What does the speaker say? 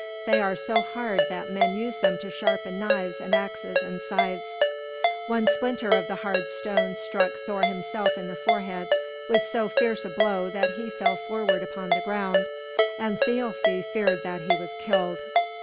They are so hard that men use them to sharpen knives and axes and scythes. One splinter of the hard stone struck Thor himself in the forehead, with so fierce a blow that he fell forward upon the ground, and Thialfi feared that he was killed.